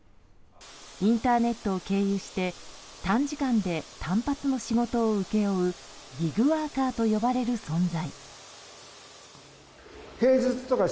インターネットを経由して短時間で単発の仕事を請け負うギグワーカーと呼ばれる存在。